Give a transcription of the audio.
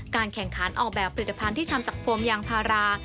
แข่งขันออกแบบผลิตภัณฑ์ที่ทำจากโฟมยางพารา